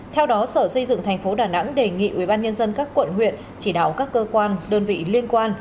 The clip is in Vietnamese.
theo đó sở xây dựng thành phố đà nẵng đề nghị ubnd các quận huyện chỉ đạo các cơ quan đơn vị liên quan